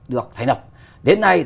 được thành lập đến nay